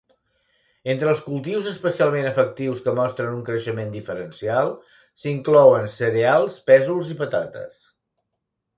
Entre els cultius especialment efectius que mostren un creixement diferencial s'inclouen cereals, pèsols i patates.